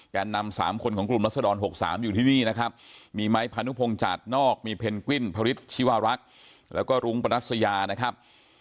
นำ๓คนของกลุ่มรัศดร๖๓อยู่ที่นี่นะครับมีไม้พานุพงศาสนอกมีเพนกวินพระฤทธิวารักษ์แล้วก็รุ้งปรัสยานะครับ